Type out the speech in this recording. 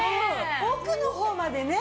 奥の方までね。